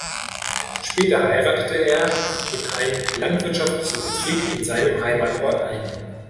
Später heiratete er in einen landwirtschaftlichen Betrieb in seinem Heimatort ein.